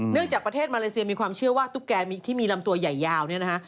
จากประเทศมาเลเซียมีความเชื่อว่าตุ๊กแกที่มีลำตัวใหญ่ยาวเนี่ยนะฮะ